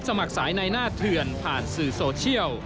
สมัครสายในหน้าเถื่อนผ่านสื่อโซเชียล